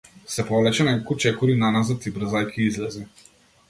Се повлече неколку чекори наназад и брзајќи излезе.